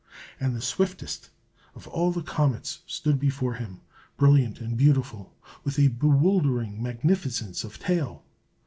and the swiftest of all the comets stood before him, brilliant and beautiful, with a bewildering magnificence of tail.